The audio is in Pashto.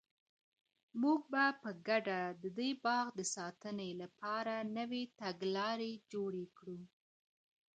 موږ به په ګډه د دې باغ د ساتنې لپاره نوې تګلارې جوړې کړو.